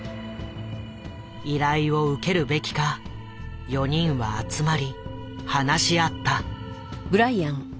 依頼を受けるべきか４人は集まり話し合った。